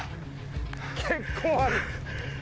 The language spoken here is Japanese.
結構ある。